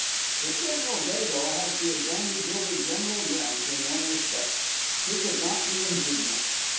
But General Dado has the advantage over General Grant in one respect. He can not be injured much.